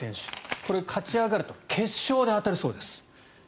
これは勝ち上がると決勝で当たるそうです。